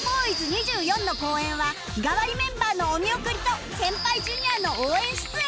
２４の公演は日替わりメンバーのお見送りと先輩 Ｊｒ． の応援出演が決定！